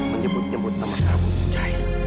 menyebut nyebut nama aku jahil